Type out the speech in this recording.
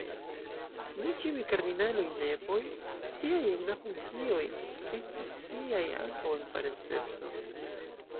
Ne ĉiuj kardinaloj nepoj, tiaj en la funkcioj, estis tiaj ankaŭ en parenceco.